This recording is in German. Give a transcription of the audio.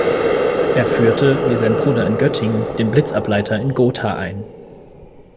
Er führte wie sein Bruder in Göttingen den Blitzableiter in Gotha ein.